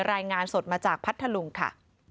รายงานสดมาจากพัทธลุงค่ะ